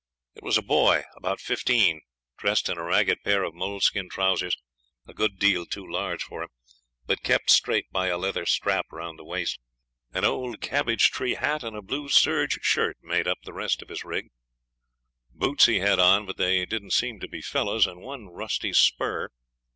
It was a boy about fifteen, dressed in a ragged pair of moleskin trousers, a good deal too large for him, but kept straight by a leather strap round the waist. An old cabbage tree hat and a blue serge shirt made up the rest of his rig. Boots he had on, but they didn't seem to be fellows, and one rusty spur.